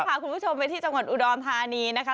พาคุณผู้ชมไปที่จังหวัดอุดรธานีนะคะ